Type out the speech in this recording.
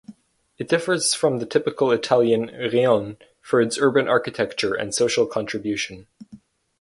It differs from the typical Italian "rione" for its urban architecture and social contribution.